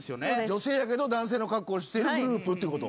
女性やけど男性の格好をしてるグループってこと？